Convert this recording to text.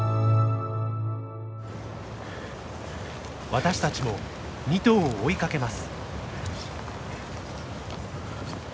私たちも２頭を追いかけます。